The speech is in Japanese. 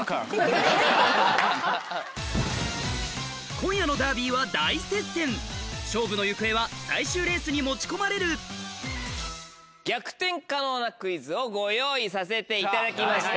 今夜のダービーは大接戦勝負の行方は最終レースに持ち込まれるをご用意させていただきました。